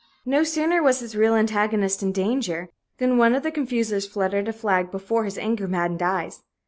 No sooner was his real antagonist in danger, than one of the confusers fluttered a flag before his anger maddened eyes.